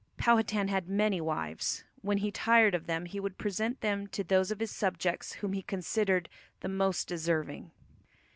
Powhatan had many wives; when he tired of them he would present them to those of his subjects whom he considered the most deserving.